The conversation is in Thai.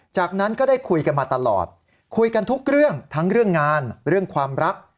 จากนั้นก็ได้คุยกันมาตลอดคุยกันทุกเรื่องทั้งเรื่องงานเรื่องความรัก